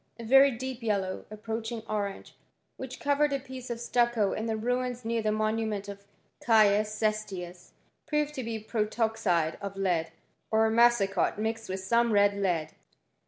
A very deep yellow, approaching orange, which covered a piece of stucco in the ruins near the monument of Caius Ces tius, proved to be protoxide of lead, or massicot, mixed with some red lead.